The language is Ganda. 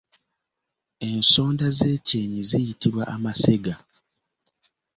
Ensonda z’ekyenyi ziyitibwa amasega.